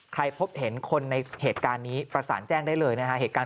พบเห็นคนในเหตุการณ์นี้ประสานแจ้งได้เลยนะฮะเหตุการณ์